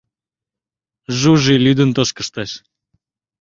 Жужи лӱдын тошкыштеш.